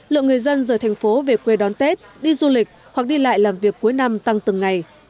lượng người dân rời thành phố về quê đón tết đi du lịch hoặc đi lại làm việc cuối năm tăng từng ngày